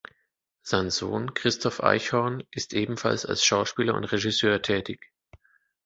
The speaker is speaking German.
Sein Sohn Christoph Eichhorn ist ebenfalls als Schauspieler und Regisseur tätig.